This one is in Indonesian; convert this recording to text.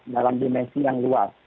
dalam dimensi yang luas